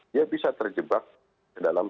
dia bisa terjebak dalam